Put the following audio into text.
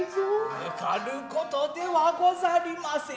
抜かることではござりませぬ。